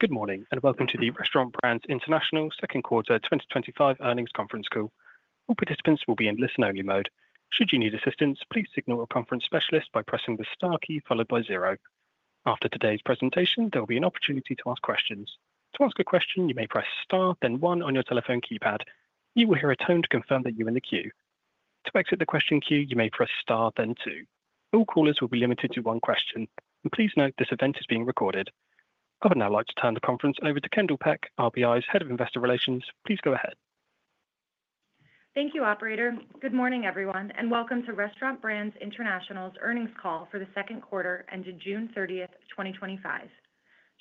Good morning and welcome to the Restaurant Brands International second quarter 2025 earnings conference call. All participants will be in listen only mode. Should you need assistance, please signal a conference specialist by pressing the star key followed by zero. After today's presentation, there will be an opportunity to ask questions. To ask a question, you may press star, then one on your telephone keypad. You will hear a tone to confirm that you're in the queue. To exit the question queue, you may press star, then two. All callers will be limited to one question, and please note this event is being recorded. I would now like to turn the conference over to Kendall Peck, RBI's Head of Investor Relations. Please go ahead. Thank you, operator. Good morning, everyone, and welcome to Restaurant Brands International's earnings call for the second quarter ended June 30, 2025.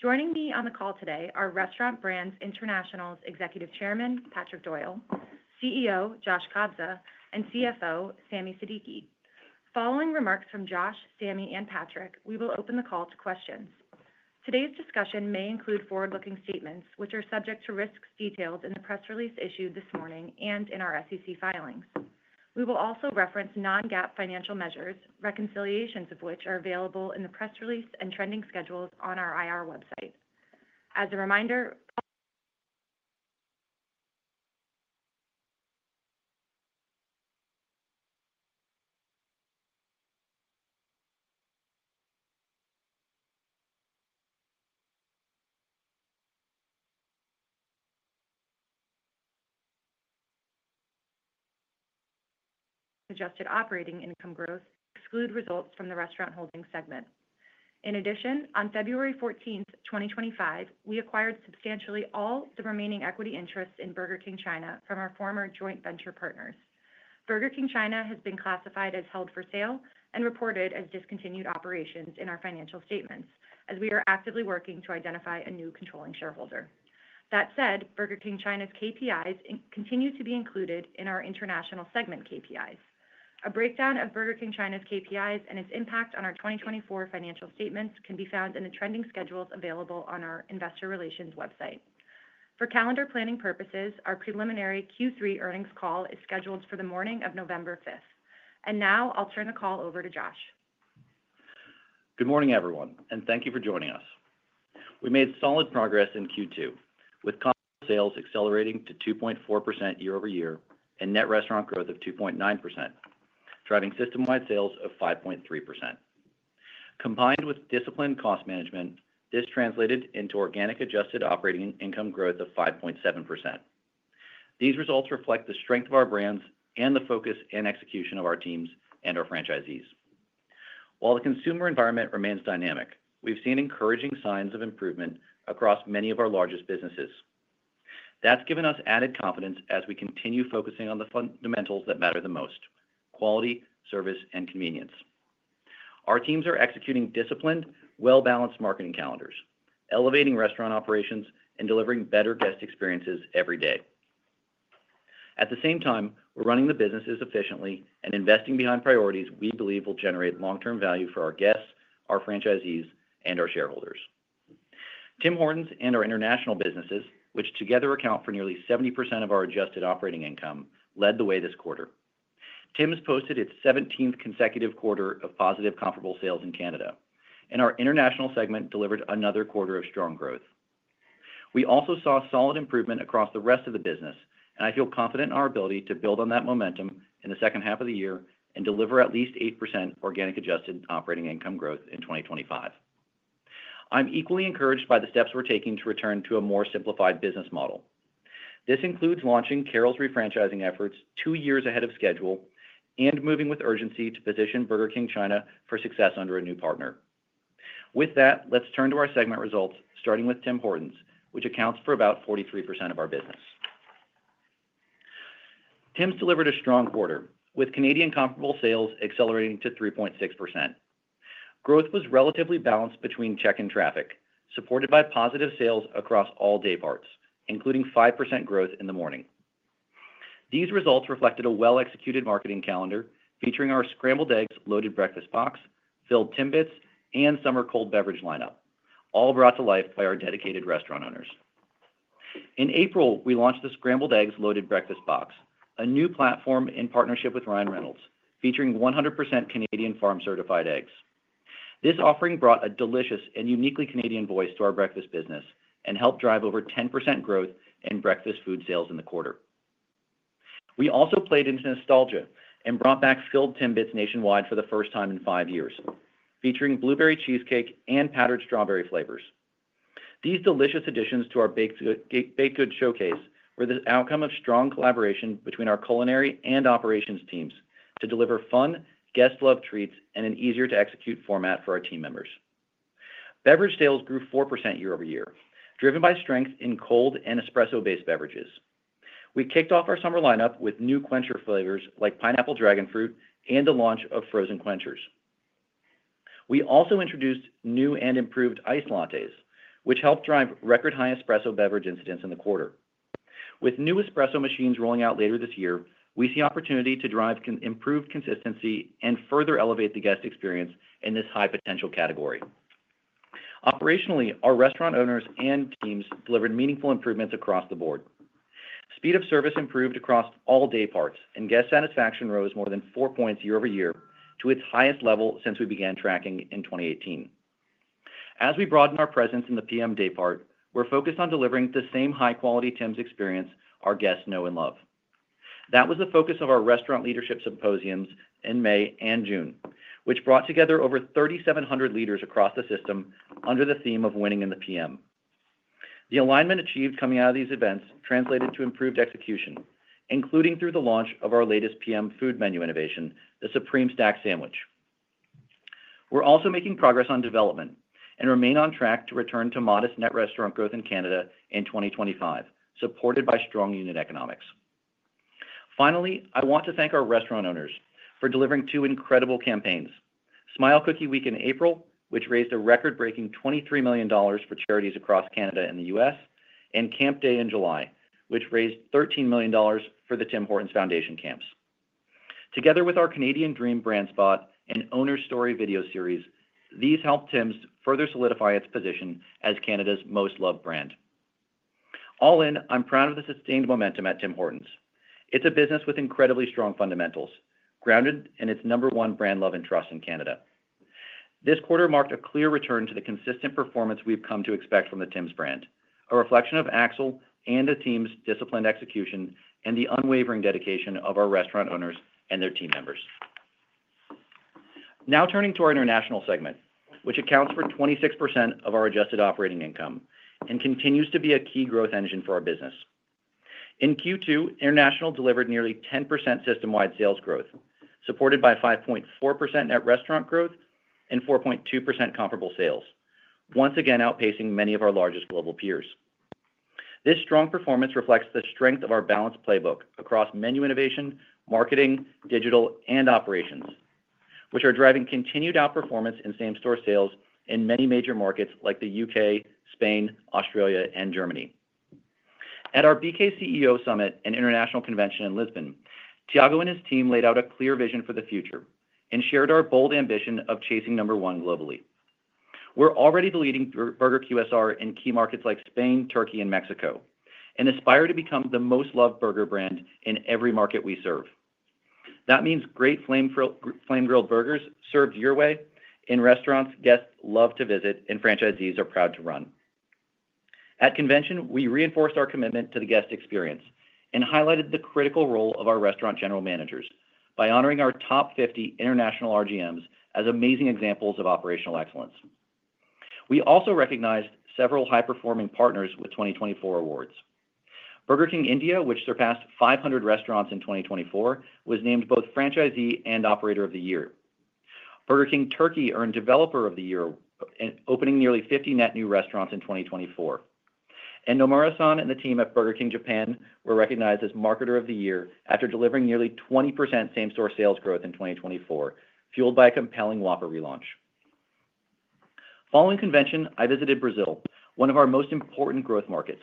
Joining me on the call today are Restaurant Brands International's Executive Chairman Patrick Doyle, CEO Josh Kobza, and CFO Sami Siddiqui. Following remarks from Josh, Sami, and Patrick, we will open the call to questions. Today's discussion may include forward-looking statements, which are subject to risks detailed in the press release issued this morning and in our SEC filings. We will also reference non-GAAP financial measures, reconciliations of which are available in the press release and trending schedules on our IR website. As a reminder, adjusted operating income growth excludes results from the Restaurant Holdings segment. In addition, on February 14, 2025, we acquired substantially all the remaining equity interest in Burger King China from our former joint venture partner. Burger King China has been classified as held for sale and reported as discontinued operations in our financial statements as we are actively working to identify a new controlling shareholder. That said, Burger King China's KPIs continue to be included in our international segment KPIs. A breakdown of Burger King China's KPIs and its impact on our 2024 financial statements can be found in the trending schedules available on our investor relations website. For calendar planning purposes, our preliminary Q3 earnings call is scheduled for the morning of November 5th. Now I'll turn the call over to Josh. Good morning everyone and thank you for joining us. We made solid progress in Q2 with sales accelerating to 2.4% year over year and net restaurant growth of 2.9%, driving system-wide sales of 5.3%. Combined with disciplined cost management, this translated into organic adjusted operating income growth of 5.7%. These results reflect the strength of our brands and the focus and execution of our teams and our franchisees. While the consumer environment remains dynamic, we've seen encouraging signs of improvement across many of our largest businesses. That's given us added confidence as we continue focusing on the fundamentals that matter: the quality, service, and convenience. Our teams are executing disciplined, well-balanced marketing calendars, elevating restaurant operations, and delivering better guest experiences every day. At the same time, we're running the businesses efficiently and investing behind priorities we believe will generate long-term value for our guests, our franchisees, and our shareholders. Tim Hortons and our international businesses, which together account for nearly 70% of our adjusted operating income, led the way this quarter. Tim's posted its 17th consecutive quarter of positive comparable sales in Canada and our international segment delivered another quarter of strong growth. We also saw solid improvement across the rest of the business and I feel confident in our ability to build on that momentum in the second half of the year and deliver at least 8% organic adjusted operating income growth in 2025. I'm equally encouraged by the steps we're taking to return to a more simplified business model. This includes launching Carrols' refranchising efforts two years ahead of schedule and moving with urgency to position Burger King China for success under a new partner. With that, let's turn to our segment results, starting with Tim Hortons, which accounts for about 43% of our business. Tim's delivered a strong quarter with Canadian comparable sales accelerating to 3.6%. Growth was relatively balanced between check and traffic, supported by positive sales across all day parts, including 5% growth in the morning. These results reflected a well-executed marketing calendar featuring our Scrambled Eggs Loaded Breakfast Box, filled Timbits, and Summer Cold Beverage lineup, all brought to life by our dedicated restaurant owners. In April, we launched the Scrambled Eggs Loaded Breakfast Box, a new platform in partnership with Ryan Reynolds. Featuring 100% Canadian Farm Certified eggs, this offering brought a delicious and uniquely Canadian voice to our breakfast business and helped drive over 10% growth in breakfast food sales in the quarter. We also played into nostalgia and brought back filled Timbits nationwide for the first time in five years. Featuring blueberry cheesecake and powdered strawberry flavors, these delicious additions to our baked goods showcase were the outcome of strong collaboration between our culinary and operations teams to deliver fun guest love treats and an easier to execute format for our team members. Beverage sales grew 4% year over year, driven by strength in cold and espresso-based beverages. We kicked off our summer lineup with new quencher flavors like Pineapple, Dragon Fruit, and the launch of frozen quenchers. We also introduced new and improved iced lattes, which helped drive record high espresso beverage incidents in the quarter. With new espresso machines rolling out later this year, we see opportunity to drive improved consistency and further elevate the guest experience in this high potential category. Operationally, our restaurant owners and teams delivered meaningful improvements across the board. Speed of service improved across all day parts, and guest satisfaction rose more than four points year over year to its highest level since we began tracking in 2018. As we broaden our presence in the PM daypart, we're focused on delivering the same high quality Tim's experience our guests know and love. That was the focus of our Restaurant Leadership Symposiums in May and June, which brought together over 3,700 leaders across the system under the theme of Winning in the PM. The alignment achieved coming out of these events translated to improved execution, including through the launch of our latest PM Food menu innovation, the Supreme Stack Sandwich. We're also making progress on development and remain on track to return to modest net restaurant growth in Canada in 2025, supported by strong unit economics. Finally, I want to thank our restaurant owners for delivering two incredible campaigns: Smile Cookie Week in April, which raised a record-breaking $23 million for charities across Canada and the U.S., and Camp Day in July, which raised $13 million for the Tim Hortons Foundation Camps. Together with our Canadian Dream Brand Spot and Owner's Story video series, these helped Tim's further solidify its position as Canada's most loved brand. All in. I'm proud of the sustained momentum at Tim Hortons. It's a business with incredibly strong fundamentals grounded in its number one brand love and trust in Canada. This quarter marked a clear return to the consistent performance we've come to expect from the Tim's brand, a reflection of Axel and the team's disciplined execution and the unwavering dedication of our restaurant owners and their team members. Now turning to our International segment, which accounts for 26% of our adjusted operating income and continues to be a key growth engine for our business. In Q2, international delivered nearly 10% system-wide sales growth, supported by 5.4% net restaurant growth and 4.2% comparable sales, once again outpacing many of our largest global peers. This strong performance reflects the strength of our balanced playbook across menu innovation, marketing, digital, and operations, which are driving continued outperformance in same-store sales in many major markets like the UK, Spain, Australia, and Germany. At our BK CEO Summit and International Convention in Lisbon, Thiago and his team laid out a clear vision for the future and shared our bold ambition of chasing number one globally. We're already the leading burger QSR in key markets like Spain, Turkey, and Mexico and aspire to become the most loved burger brand in every market we serve. That means great flame-grilled burgers served your way in restaurants guests love to visit and franchisees are proud to run. At convention, we reinforced our commitment to the guest experience and highlighted the critical role of our restaurant general managers by honoring our top 50 international RGMs as amazing examples of operational excellence. We also recognized several high-performing partners with 2024 awards. Burger King India, which surpassed 500 restaurants in 2024, was named both Franchisee and Operator of the Year. Burger King Turkey earned Developer of the Year, opening nearly 50 net new restaurants in 2024, and Nomura San and the team at Burger King Japan were recognized as Marketer of the Year after delivering nearly 20% same-store sales growth in 2024 fueled by a compelling Whopper relaunch. Following convention, I visited Brazil, one of our most important growth markets.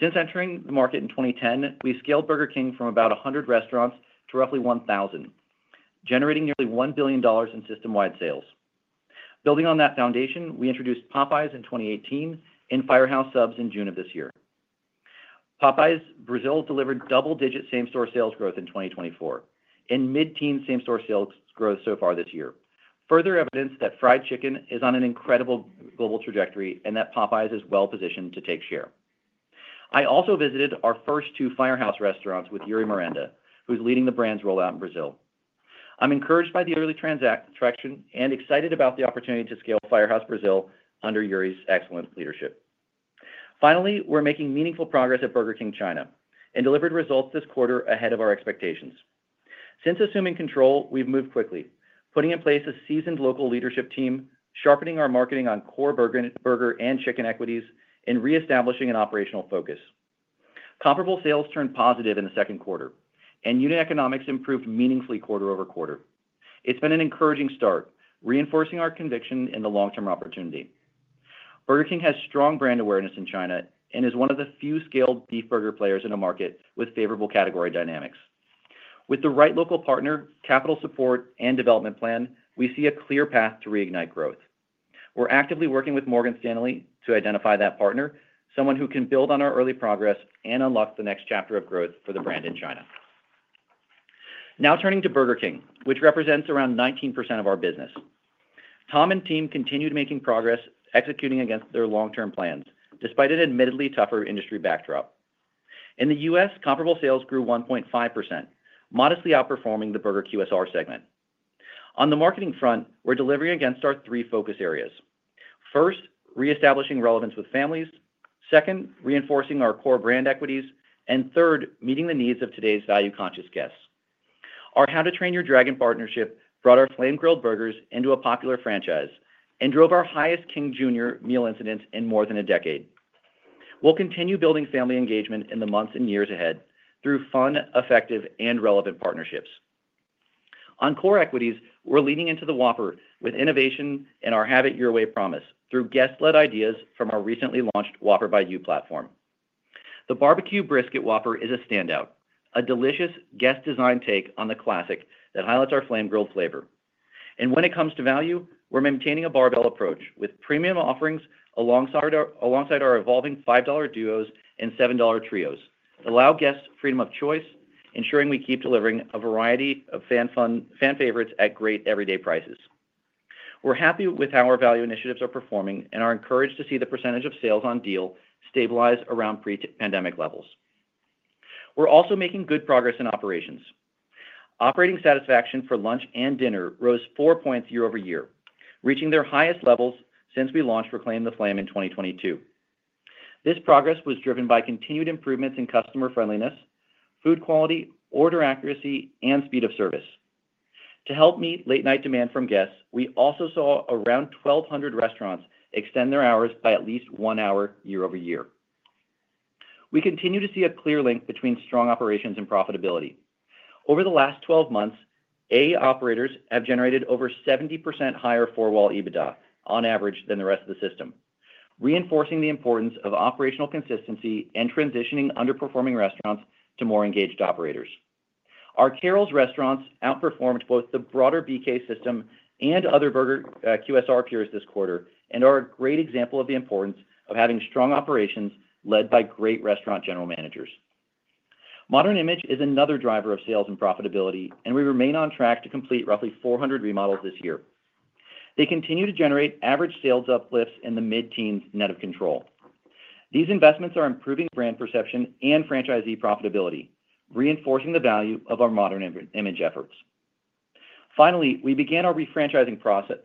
Since entering the market in 2010, we scaled Burger King from about 100 restaurants to roughly 1,000, generating nearly $1 billion in system-wide sales. Building on that foundation, we introduced Popeyes in 2018 and Firehouse Subs in June of this year. Popeyes Brazil delivered double-digit same-store sales growth in 2024 and mid-teens same-store sales growth so far this year, further evidence that fried chicken is on an incredible global trajectory and that Popeyes is well positioned to take share. I also visited our first two Firehouse Subs restaurants with Iuri Miranda, who's leading the brand's rollout in Brazil. I'm encouraged by the early transaction and excited about the opportunity to scale Firehouse Subs Brazil under Iuri's excellent leadership. Finally, we're making meaningful progress at Burger King China and delivered results this quarter ahead of our expectations. Since assuming control, we've moved quickly, putting in place a seasoned local leadership team, sharpening our marketing on core burger and chicken equities, and reestablishing an operational focus. Comparable sales turned positive in the second quarter and unit economics improved meaningfully quarter over quarter. It's been an encouraging start, reinforcing our conviction in the long-term opportunity. Burger King has strong brand awareness in China and is one of the few scaled beef burger players in a market with favorable category dynamics. With the right local partner, capital support, and development plan, we see a clear path to reignite growth. We're actively working with Morgan Stanley to identify that partner, someone who can build on our early progress and unlock the next chapter of growth for the brand in China. Now turning to Burger King, which represents around 19% of our business, Tom and team continued making progress executing against their long-term plans despite an admittedly tougher industry backdrop. In the U.S., comparable sales grew 1.5%, modestly outperforming the Burger QSR segment. On the marketing front, we're delivering against our three focus areas. First, reestablishing relevance with families. Second, reinforcing our core brand equities. Third, meeting the needs of today's value-conscious guests. Our How to Train Your Dragon partnership brought our flame-grilled burgers into a popular franchise and drove our highest King Jr. meal incidence in more than a decade. We'll continue building family engagement in the months and years ahead through fun, effective, and relevant partnerships. On core equities we're leaning into the Whopper with innovation and our Have It Your Way promise through guest-led ideas from our recently launched Whopper by You platform. The barbecue brisket Whopper is a standout, a delicious guest design take on the classic that highlights our flame-grilled flavor. When it comes to value, we're maintaining a barbell approach with premium offerings. Alongside our evolving $5 Duos and $7 Trios, we allow guests freedom of choice, ensuring we keep delivering a variety of fan favorites at great everyday prices. We're happy with how our value initiatives are performing and are encouraged to see the percentage of sales on deal stabilize around pre-pandemic levels. We're also making good progress in operations. Operating satisfaction for lunch and dinner rose four points year over year, reaching their highest levels since we launched Reclaim the Flame in 2022. This progress was driven by continued improvements in customer friendliness, food quality, order accuracy, and speed of service. To help meet late night demand from guests, we also saw around 1,200 restaurants extend their hours by at least one hour year over year. We continue to see a clear link between strong operations and profitability. Over the last 12 months, A operators have generated over 70% higher 4-wall EBITDA on average than the rest of the system, reinforcing the importance of operational consistency and transitioning underperforming restaurants to more engaged operators. Our Carrols Restaurants outperformed both the broader BK system and other Burger QSR peers this quarter and is a great example of the importance of having strong operations led by great restaurant general managers. Modern Image is another driver of sales and profitability, and we remain on track to complete roughly 400 remodels this year. They continue to generate average sales uplifts in the mid-teens net of control. These investments are improving brand perception and franchisee profitability, reinforcing the value of our Modern Image efforts. Finally, we began our refranchising process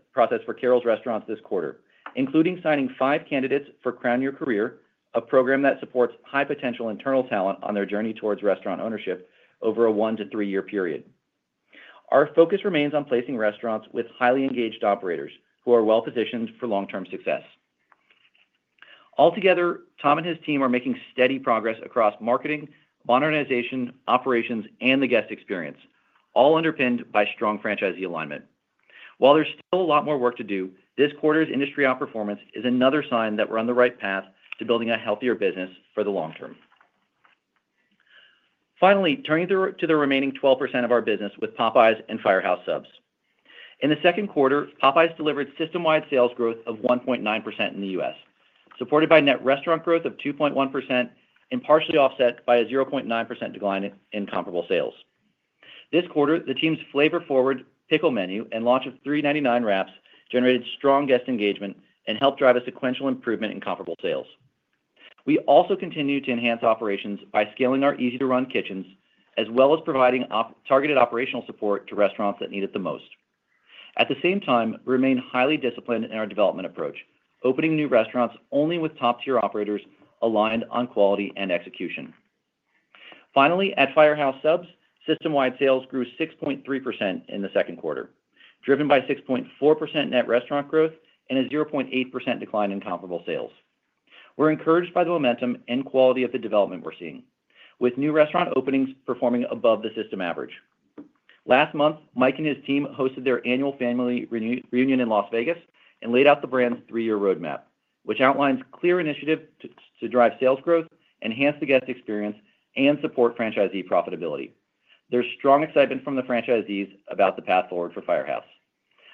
for Carrols Restaurant this quarter, including signing five candidates for Crown Your Career, a program that supports high potential internal talent on their journey towards restaurant ownership over a one to three year period. Our focus remains on placing restaurants with highly engaged operators who are well positioned for long-term success. Altogether, Tom and his team are making steady progress across marketing, modernization, operations, and the guest experience, all underpinned by strong franchisee alignment. While there's still a lot more work to do, this quarter's industry outperformance is another sign that we're on the right path to building a healthier business for the long term. Finally, turning to the remaining 12% of our business with Popeyes and Firehouse Subs. In the second quarter, Popeyes delivered system-wide sales growth of 1.9% in the U.S. Supported by net restaurant growth of 2.1% and partially offset by a 0.9% decline in comparable sales. This quarter, the team's flavor-forward pickle menu and launch of $3.99 wraps generated strong guest engagement and helped drive a sequential improvement in comparable sales. We also continue to enhance operations by scaling our easy-to-run kitchens as well as providing targeted operational support to restaurants that need it the most. At the same time, we remain highly disciplined in our development approach, opening new restaurants only with top-tier operators aligned on quality and execution. Finally, at Firehouse Subs, system-wide sales grew 6.3% in the second quarter, driven by 6.4% net restaurant growth and a 0.8% decline in comparable sales. We're encouraged by the momentum and quality of the development we're seeing, with new restaurant openings performing above the system average. Last month, Mike and his team hosted their annual family reunion in Las Vegas and laid out the brand's three-year roadmap, which outlines clear initiatives to drive sales growth, enhance the guest experience, and support franchisee profitability. There's strong excitement from the franchisees about the path forward for Firehouse.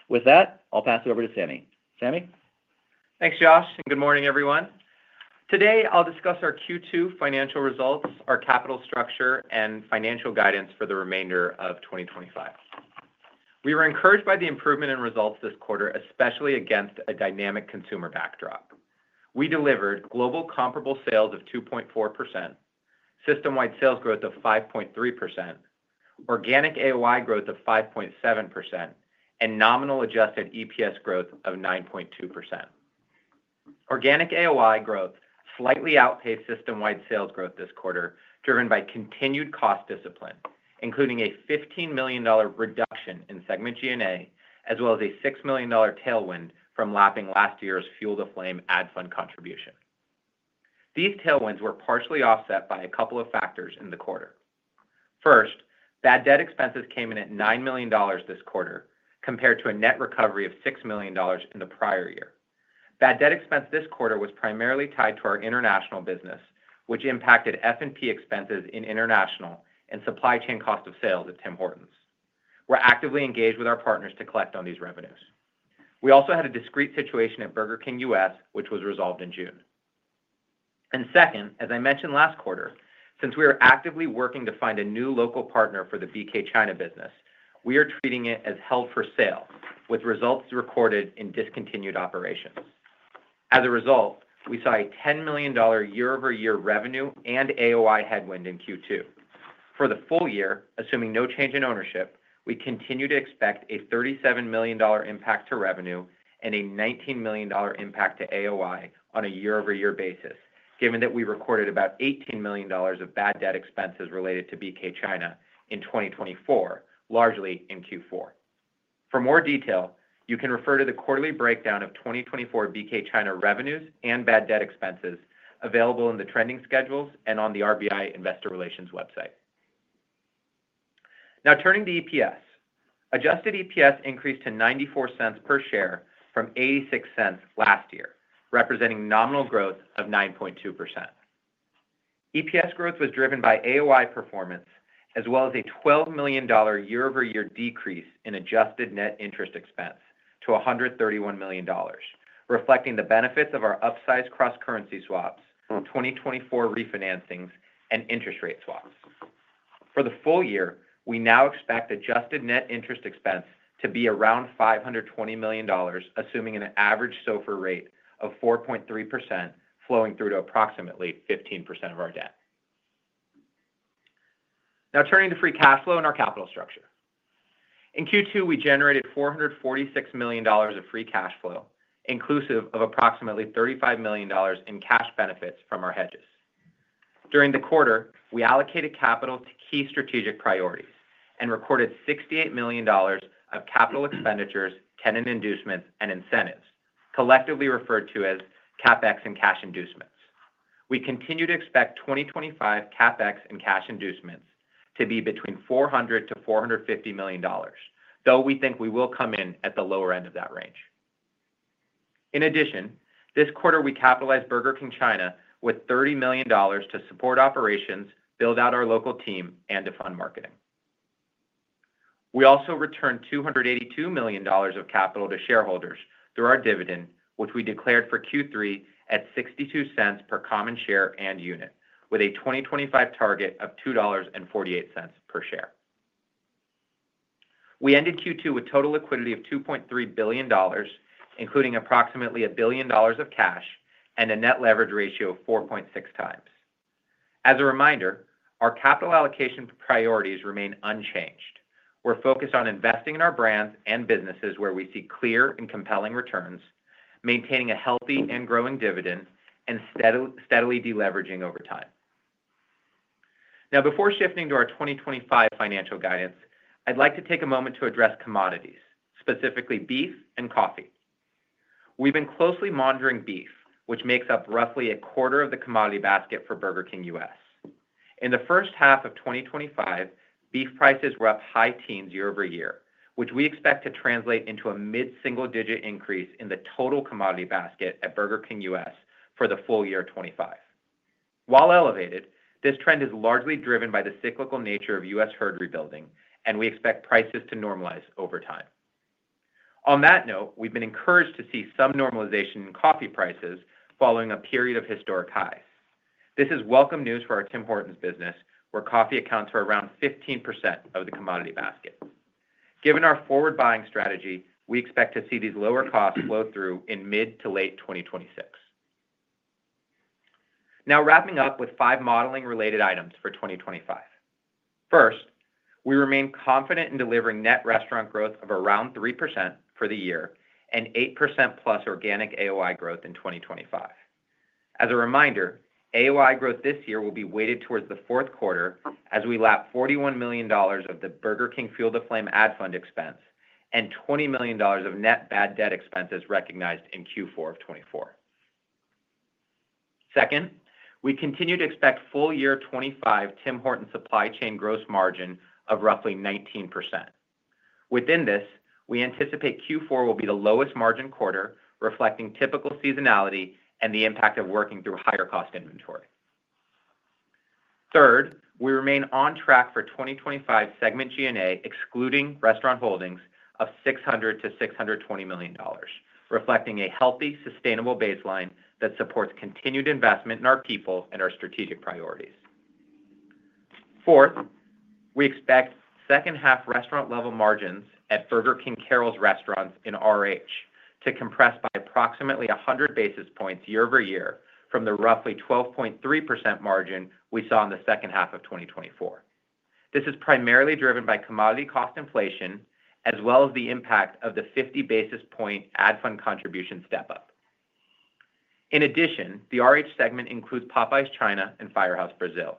With that, I'll pass it over to Sami. Sami? Thanks Josh and good morning everyone. Today I'll discuss our Q2 financial results, our capital structure, and financial guidance for the remainder of 2025. We were encouraged by the improvement in results this quarter, especially against a dynamic consumer backdrop. We delivered global comparable sales of 2.4%, system-wide sales growth of 5.3%, organic AOI growth of 5.7%, and nominal adjusted EPS growth of 9.2%. Organic AOI growth slightly outpaced system-wide sales growth this quarter driven by continued cost discipline, including a $15 million reduction in segment G&A, as well as a $6 million tailwind from lapping last year's Fuel to Flame ad fund contribution. These tailwinds were partially offset by a couple of factors in the quarter. First, bad debt expenses came in at $9 million this quarter compared to a net recovery of $6 million in the prior year. Bad debt expense this quarter was primarily tied to our international business, which impacted F&P expenses in international and supply chain cost of sales. At Tim Hortons, we're actively engaged with our partners to collect on these revenues. We also had a discrete situation at Burger King U.S., which was resolved in June. Second, as I mentioned last quarter, since we are actively working to find a new local partner for the BK China business, we are treating it as held for sale with results recorded in discontinued operations. As a result, we saw a $10 million year-over-year revenue and AOI headwind in Q2. For the full year, assuming no change in ownership, we continue to expect a $37 million impact to revenue and a $19 million impact to AOI on a year-over-year basis. Given that we recorded about $18 million of bad debt expenses related to BK China in 2024, largely in Q4. For more detail, you can refer to the quarterly breakdown of 2024 BK China revenues and bad debt expenses available in the trending schedules and on the RBI Investor Relations website. Now turning to EPS, adjusted EPS increased to $0.94 per share from $0.86 last year, representing nominal growth of 9.2%. EPS growth was driven by AOI performance as well as a $12 million year-over-year decrease in adjusted net interest expense to $131 million, reflecting the benefits of our upsized cross-currency swaps, 2024 refinancings, and interest rate swaps. For the full year, we now expect adjusted net interest expense to be around $520 million, assuming an average SOFR rate of 4.3% flowing through to approximately 15% of our debt. Now turning to free cash flow and our capital structure. In Q2 we generated $446 million of free cash flow inclusive of approximately $35 million in cash benefits from our hedges. During the quarter, we allocated capital to key strategic priorities and recorded $68 million of capital expenditures, tenant inducements, and incentives collectively referred to as CapEx and cash inducements. We continue to expect 2025 CapEx and cash inducements to be between $400 million-$450 million, though we think we will come in at the lower end of that range. In addition, this quarter we capitalized Burger King China with $30 million to support operations, build out our local team, and to fund marketing. We also returned $282 million of capital to shareholders through our dividend, which we declared for Q3 at $0.62 per common share and unit with a 2025 target of $2.48 per share. We ended Q2 with total liquidity of $2.3 billion, including approximately $1 billion of cash and a net leverage ratio of 4.6 times. As a reminder, our capital allocation priorities remain unchanged. We're focused on investing in our brands and businesses where we see clear and compelling returns, maintaining a healthy and growing dividend, and steadily deleveraging over time. Now, before shifting to our 2025 financial guidance, I'd like to take a moment to address commodities, specifically beef and coffee. We've been closely monitoring beef, which makes up roughly a quarter of the commodity basket for Burger King U.S. In the first half of 2025, beef prices were up high teens year over year, which we expect to translate into a mid single digit increase in the total commodity basket at Burger King U.S. for the full year 2025. While elevated, this trend is largely driven by the cyclical nature of U.S. herd rebuilding, and we expect prices to normalize over time. On that note, we've been encouraged to see some normalization in coffee prices following a period of historic highs. This is welcome news for our Tim Hortons business, where coffee accounts for around 15% of the commodity basket. Given our forward buying strategy, we expect to see these lower costs flow through in mid to late 2026. Now wrapping up with five modeling related items for 2025. First, we remain confident in delivering net restaurant growth of around 3% for the year and 8% plus organic AOI growth in 2025. As a reminder, AOI growth this year will be weighted towards the fourth quarter as we lap $41 million of the Burger King Fuel to Flame ad fund expense and $20 million of net bad debt expenses recognized in Q4 of 2024. Second, we continue to expect full year 2025 Tim Hortons supply chain gross margin of roughly 19%. Within this, we anticipate Q4 will be the lowest margin quarter, reflecting typical seasonality and the impact of working through higher cost inventory. Third, we remain on track for 2025 segment G&A, excluding restaurant holdings, of $600 million-$620 million, reflecting a healthy, sustainable baseline that supports continued investment in our people and our strategic priorities. Fourth, we expect second half restaurant-level margins at Burger King Carrols Restaurants in RH to compress by approximately 100 basis points year over year from the roughly 12.3% margin we saw in the second half of 2024. This is primarily driven by commodity cost inflation as well as the impact of the 50 basis point ad fund contribution step up. In addition, the RH segment includes Popeyes China and Firehouse Brazil.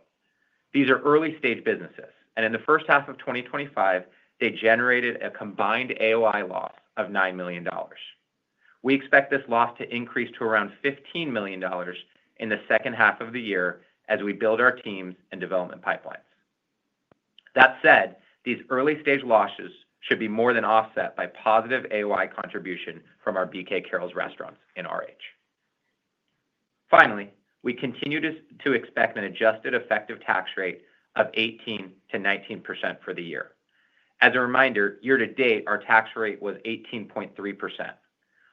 These are early stage businesses, and in the first half of 2025 they generated a combined AOI loss of $9 million. We expect this loss to increase to around $15 million in the second half of the year as we build our teams and development pipelines. That said, these early stage losses should be more than offset by positive AOI contribution from our BK Carrols Restaurants in RH. Finally, we continue to expect an adjusted effective tax rate of 18% to 19% for the year. As a reminder, year to date our tax rate was 18.3%.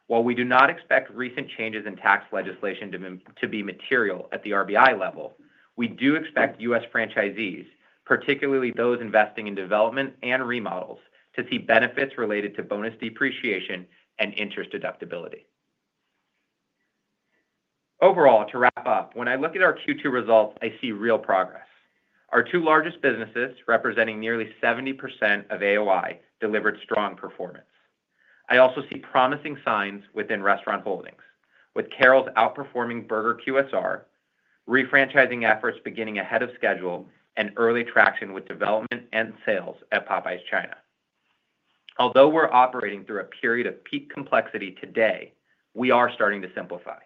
While we do not expect recent changes in tax legislation to be material at the RBI level, we do expect U.S. franchisees, particularly those investing in development and remodels, to see benefits related to bonus depreciation and interest deductibility. Overall, to wrap up, when I look at our Q2 results, I see real progress. Our two largest businesses, representing nearly 70% of AOI, delivered strong performance. I also see promising signs within restaurant holdings, with Carrols outperforming Burger QSR, refranchising efforts beginning ahead of schedule, and early traction with development and sales at Popeyes China. Although we're operating through a period of peak complexity, today we are starting to simplify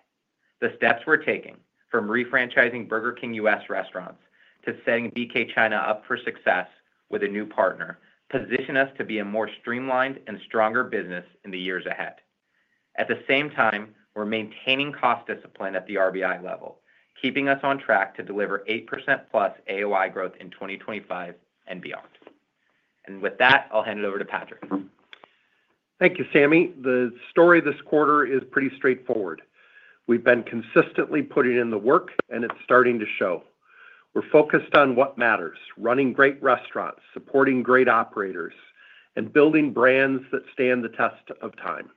the steps we're taking from refranchising Burger King U.S. restaurants to setting BK China up for success with a new partner, position us to be a more streamlined and stronger business in the years ahead. At the same time, we're maintaining cost discipline at the RBI level, keeping us on track to deliver 8%+ AOI growth in 2025 and beyond. With that, I'll hand it over to Patrick. Thank you Sami. The story this quarter is pretty straightforward. We've been consistently putting in the work and it's starting to show. We're focused on what matters: running great restaurants, supporting great operators, and building brands that stand the test of time.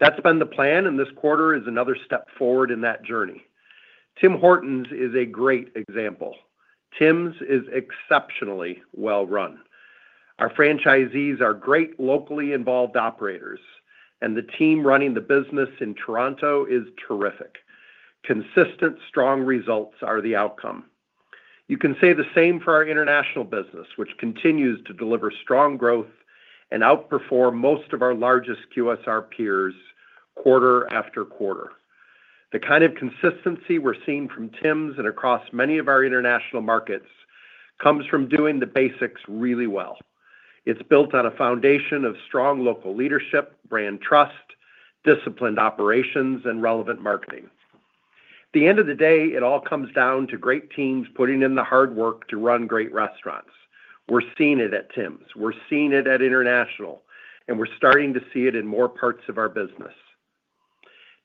That's been the plan and this quarter is another step forward in that journey. Tim Hortons is a great example. Tim's is exceptionally well run, our franchisees are great, locally involved operators, and the team running the business in Toronto is terrific. Consistent, strong results are the outcome. You can say the same for our international business, which continues to deliver strong growth and outperform most of our largest QSR peers quarter after quarter. The kind of consistency we're seeing from Tim's and across many of our international markets comes from doing the basics really well. It's built on a foundation of strong local leadership, brand trust, disciplined operations, and relevant marketing. At the end of the day, it all comes down to great teams putting in the hard work to run great restaurants. We're seeing it at Tim's, we're seeing it at International, and we're starting to see it in more parts of our business.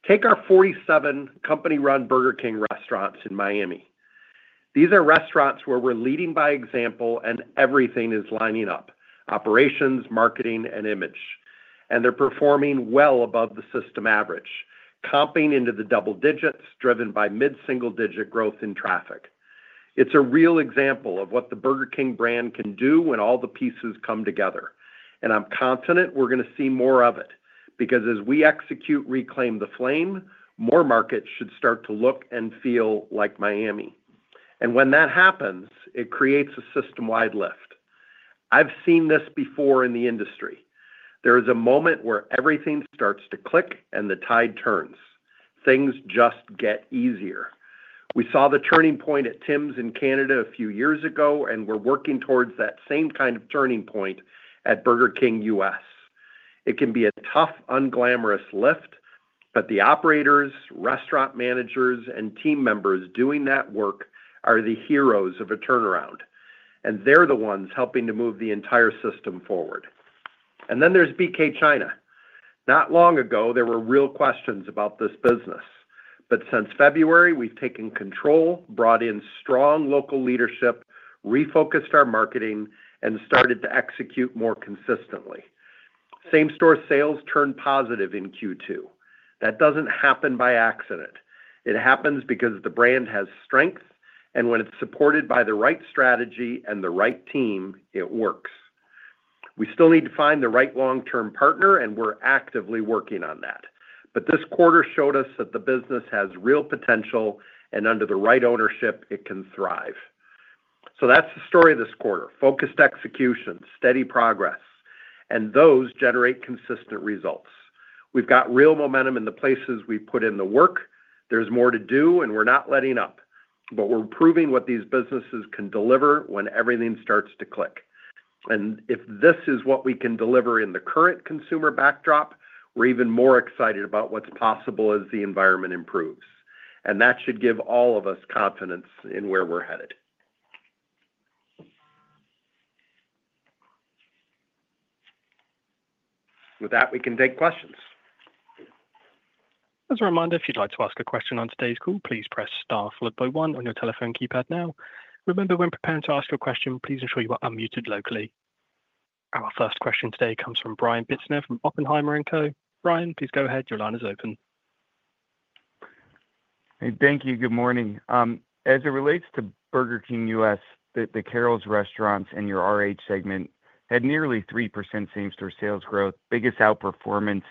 Take our 47 company-run Burger King restaurants in Miami. These are restaurants where we're leading by example and everything is lining up, operations, marketing, and image. They're performing well above the system average, comping into the double digits, driven by mid single digit growth in traffic. It's a real example of what the Burger King brand can do when all the pieces come together. I'm confident we're going to see more of it because as we execute Reclaim the Flame, more markets should start to look and feel like Miami. When that happens, it creates a system-wide lift. I've seen this before in the industry. There is a moment where everything starts to click and the tide turns. Things just get easier. We saw the turning point at Tim's in Canada a few years ago and we're working towards that same kind of turning point at Burger King U.S. It can be a tough, unglamorous lift, but the operators, restaurant managers, and team members doing that work are the heroes of a turnaround and they're the ones helping to move the entire system forward. Then there's BK China. Not long ago there were real questions about this business. Since February we've taken control, brought in strong local leadership, refocused our marketing, and started to execute more consistently. Same store sales turned positive in Q2. That doesn't happen by accident. It happens because the brand has strength, and when it's supported by the right strategy and the right team, it works. We still need to find the right long term partner, and we're actively working on that. This quarter showed us that the business has real potential, and under the right ownership, it can thrive. That's the story of this quarter: focused execution, steady progress, and those generate consistent results. We've got real momentum in the places we put in the work. There's more to do, and we're not letting up. We're proving what these businesses can deliver when everything starts to click. If this is what we can deliver in the current consumer backdrop, we're even more excited about what's possible as the environment improves. That should give all of us confidence in where we're headed. With that, we can take questions. As a reminder, if you'd like to ask a question on today's call, please press star followed by one on your telephone keypad. Now, remember, when preparing to ask a question, please ensure you are unmuted locally. Our first question today comes from Brian Bittner from Oppenheimer & Co. Inc. Brian, please go ahead your line is open. Thank you. Good morning. As it relates to Burger King U.S., the Carrols Restaurant and your RH segment had nearly 3% same store sales growth, biggest outperformance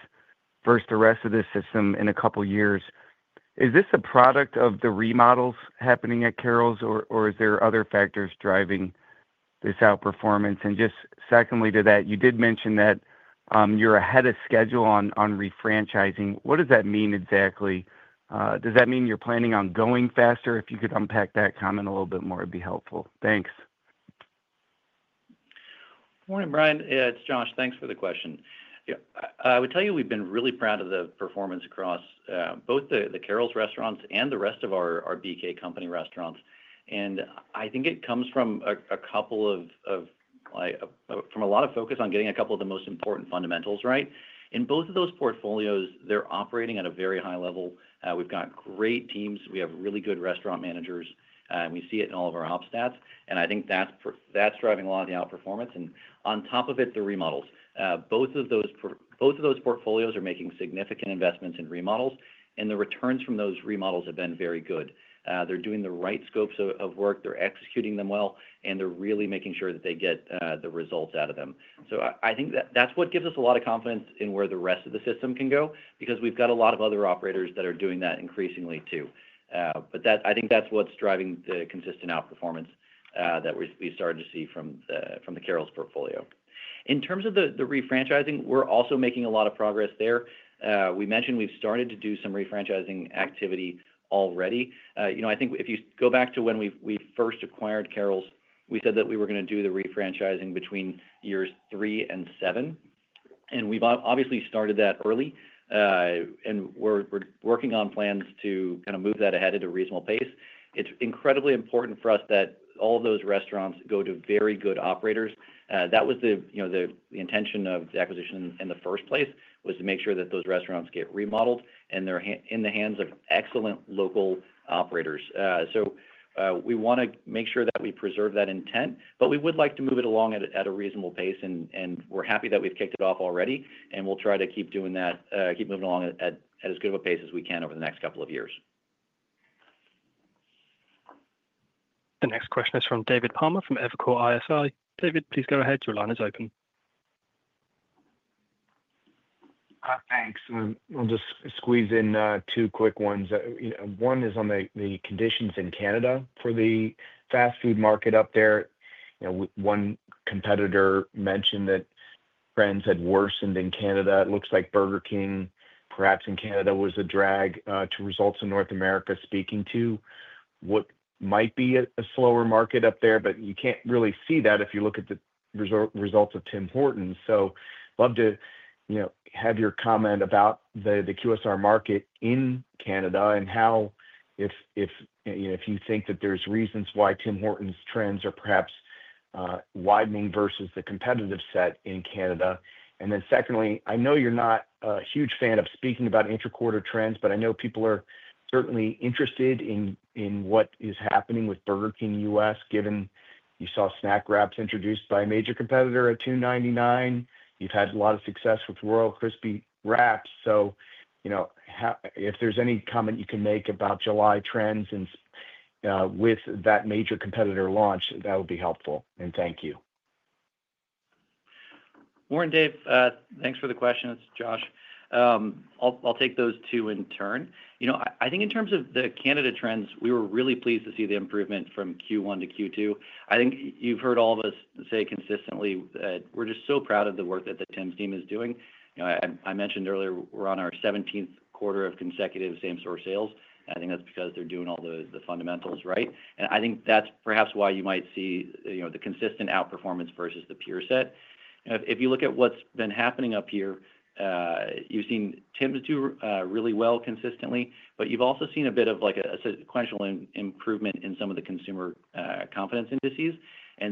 versus the rest of the system in a couple years. Is this a product of the remodels happening at Carrols, or is there other factors driving this outperformance? Just secondly to that, you did mention that you're ahead of schedule on refranchising. What does that mean exactly? Does that mean you're planning on going faster? If you could unpack that comment a little bit more, it'd be helpful. Thanks. Morning, Brian. It's Josh. Thanks for the question. I would tell you we've been really proud of the performance across both the Carrols Restaurant and the rest of our BK company restaurants. I think it comes from a lot of focus on getting a couple of the most important fundamentals right. In both of those portfolios they're operating at a very high level. We've got great teams. We have really good restaurant managers, and we see it in all of our ops stats. I think that's driving a lot of the outperformance. On top of it, the remodels, both of those portfolios are making significant investments in remodels, and the returns from those remodels have been very good. They're doing the right scopes of work, they're executing them well, and they're really making sure that they get the results out of them. I think that gives us a lot of confidence in where the rest of the system can go, because we've got a lot of other operators that are doing that increasingly, too. I think that's what's driving the consistent outperformance that we started to see from the Carrols portfolio. In terms of the refranchising, we're also making a lot of progress there. We mentioned we've started to do some refranchising activity already. I think if you go back to when we first acquired Carrols, we said that we were going to do the refranchising between years three and seven, and we've obviously started that early and we're working on plans to move that ahead at a reasonable pace. It's incredibly important for us that all those restaurants go to very good operators. That was the intention of the acquisition in the first place, to make sure that those restaurants get remodeled and they're in the hands of excellent local operators. We want to make sure that we preserve that intent. We would like to move it along at a reasonable pace and we're happy that we've kicked it off already and we'll try to keep doing that, keep moving along at as good of a pace as we can over the next couple of years. The next question is from David Palmer from Evercore ISI. David, please go ahead. Your line is open. Thanks. I'll just squeeze in two quick ones. One is on the conditions in Canada for the fast food market up there. One competitor mentioned that brands had worsened in Canada. It looks like Burger King perhaps in Canada was a drag to results in North America speaking to what might be a slower market up there. You can't really see that if you look at the results of Tim Hortons. Love to have your comment about the QSR market in Canada and if you think that there's reasons why Tim Hortons trends are perhaps widening versus the competitive set in Canada. Secondly, I know you're not a huge fan of speaking about intra-quarter trends, but I know people are certainly interested in what is happening with Burger King U.S. given you saw snack wraps introduced by a major competitor at $2.99, you've had a lot of success with Royal Crispy Wraps. If there's any comment you can make about July trends and with that major competitor launch, that would be helpful and thank you. Morning, Dave, thanks for the question. It's Josh. I'll take those two in turn. I think in terms of the Canada trends, we were really pleased to see the improvement from Q1 to Q2. I think you've heard all of us say consistently that we're just so proud of the work that the Tim's team is doing. I mentioned earlier we're on our 17th quarter of consecutive same store sales. I think that's because they're doing all the fundamentals right. I think that's perhaps why you might see the consistent outperformance versus the peer set. If you look at what's been happening up here, you've seen Tim's do really well consistently, but you've also seen a bit of a sequential improvement in some of the consumer confidence indices.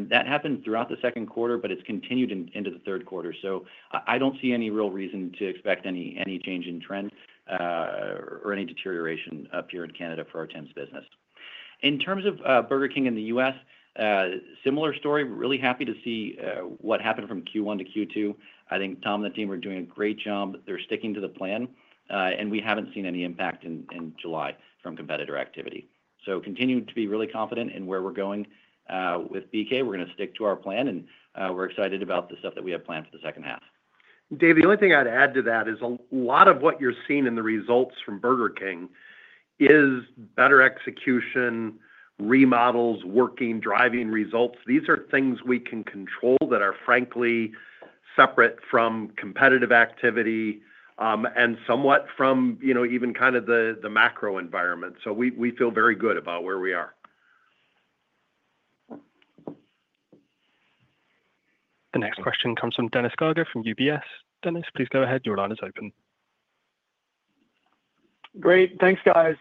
That happened throughout the second quarter, and it's continued into the third quarter. I don't see any real reason to expect any change in trend or any deterioration up here in Canada for Tim's business. In terms of Burger King in the U.S., similar story. Really happy to see what happened from Q1 to Q2. I think Tom and the team are doing a great job. They're sticking to the plan, and we haven't seen any impact in July from competitor activity. I continue to be really confident in where we're going with BK. We're going to stick to our plan, and we're excited about the stuff that we have planned for the second half. Dave, the only thing I'd add to that is a lot of what you're seeing in the results from Burger King is better execution, remodels, working, driving results. These are things we can control that are frankly separate from competitive activity and somewhat from even kind of the macro environment. We feel very good about where we are. The next question comes from Dennis Geiger from UBS. Dennis, please go ahead. Your line is open. Great. Thanks, guys.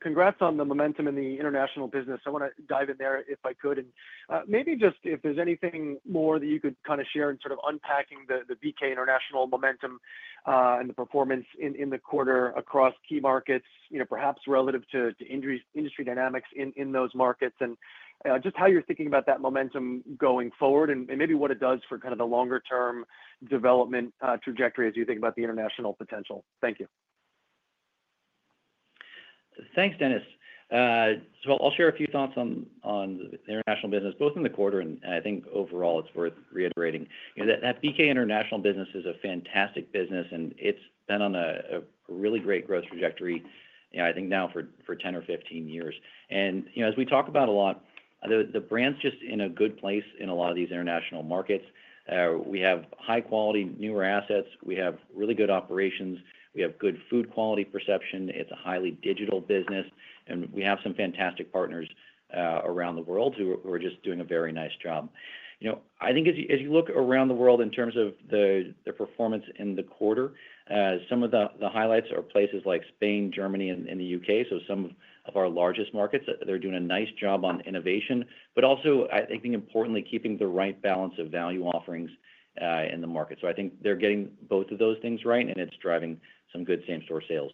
Congrats on the momentum in the international business. I want to dive in there if I could and maybe just if there's anything more that you could share in sort of unpacking the BK International momentum and the performance in the quarter across key markets, perhaps relative to industry dynamics in those markets, and just how you're thinking about that momentum going forward and maybe what it does for kind of the longer term development trajectory as you think about the international potential. Thank you. Thanks, Dennis. I'll share a few thoughts on international business both in the quarter. I think overall it's worth reiterating that BK international business is a fantastic business and it's been on a really great growth trajectory I think now for 10 or 15 years. As we talk about a lot, the brand's just in a good place in a lot of these international markets. We have high quality, newer assets, we have really good operations, we have good food quality perception. It's a highly digital business and we have some fantastic partners around the world who are just doing a very nice job. I think as you look around the world in terms of the performance in the quarter, some of the highlights are places like Spain, Germany, and the UK. Some of our largest markets, they're doing a nice job on innovation, but also I think importantly, keeping the right balance of value offerings in the market. I think they're getting both of those things right and it's driving some good same store sales.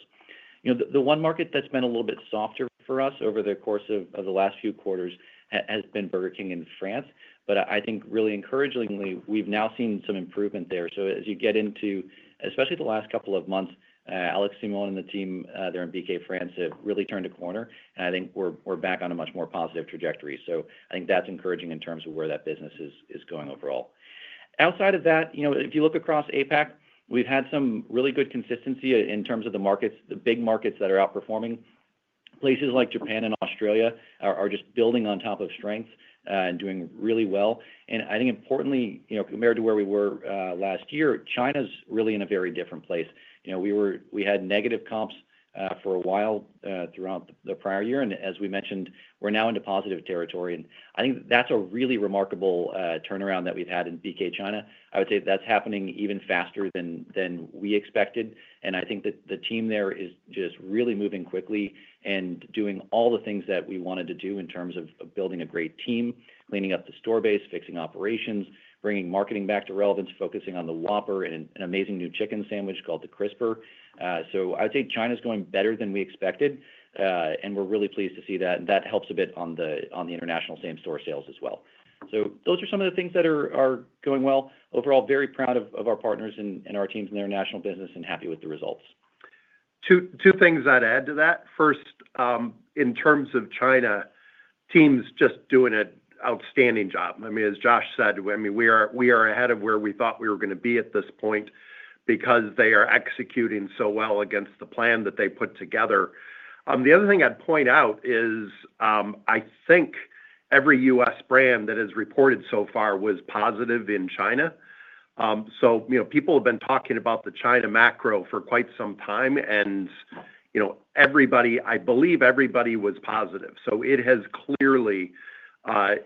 The one market that's been a little bit softer for us over the course of the last few quarters has been Burger King in France. I think really encouragingly, we've now seen some improvement there. As you get into, especially the last couple of months, Alex Simon and the team there in BK France have really turned a corner and I think we're back on a much more positive trajectory. I think that's encouraging in terms of where that business is going overall. Outside of that, if you look across APAC, we've had some really good consistency in terms of the markets. The big markets that are outperforming, places like Japan and Australia, are just building on top of strength and doing really well. I think importantly, compared to where we were last year, China's really in a very different place. We had negative comps for a while throughout the prior year and as we mentioned, we're now into positive territory and I think that's a really remarkable turnaround that we've had in BK China. I would say that's happening even faster than we expected. I think that the team there is just really moving quickly and doing all the things that we wanted to do in terms of building a great team, cleaning up the store base, fixing operations, bringing marketing back to relevance, focusing on the Whopper and an amazing new chicken sandwich called the Crisper. I would say China's going better than we expected and we're really pleased to see that. That helps a bit on the international same store sales as well. Those are some of the things that are going well overall. Very proud of our partners and our teams in the international business and happy with the results. Two things I'd add to that. First, in terms of China, the team is just doing an outstanding job. I mean, as Josh said, we are ahead of where we thought we were going to be at this point because they are executing so well against the plan that they put together. The other thing I'd point out is I think every U.S. brand that has reported so far was positive in China. People have been talking about the China macro for quite some time. I believe everybody was positive. It has clearly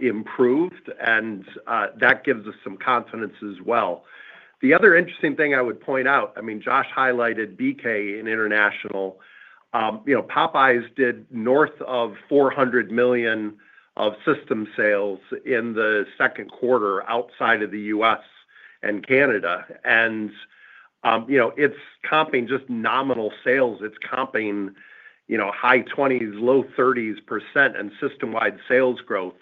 improved and that gives us some confidence as well. The other interesting thing I would point out, I mean, Josh highlighted BK in international, Popeyes did north of $400 million of system-wide sales in the second quarter outside of the U.S. and Canada. It's comping just nominal sales, it's comping high 20s, low 30s percent in system-wide sales growth.